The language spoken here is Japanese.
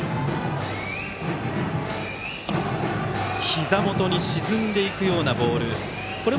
ひざ元に沈んでいくようなボール。